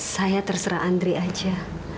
saya terserah andre aja